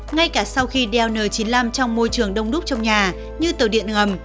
ngay cả sau khi dn chín mươi năm trong môi trường đông đúc trong nhà như tàu điện ngầm